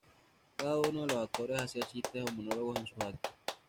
Cada uno de los actores hacia chistes o monólogos en sus actos.